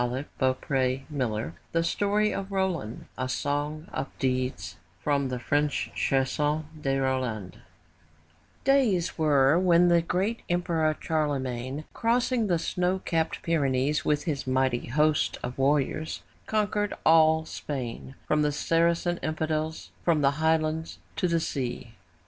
299 M Y BOOK HOUSE D THE STORY OF ROLAND, A SONG OF DEEDS From the French Chanson de Roland AYS were when the great emperor Charlemagne, crossing the snow capped Pyrenees with his mighty host of warriors, conquered all Spain from the Saracen infidels from the highlands to the sea.